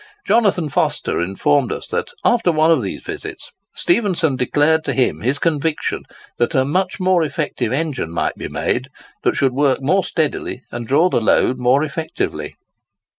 Jonathan Foster informed us that, after one of these visits, Stephenson declared to him his conviction that a much more effective engine might be made, that should work more steadily and draw the load more effectively.